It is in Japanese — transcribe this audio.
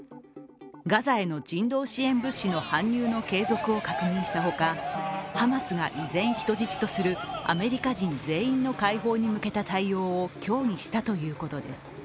ガザへの人道支援物資の搬入の継続を確認したほかハマスが依然人質とするアメリカ人全員の解放に向けた対応を協議したということです。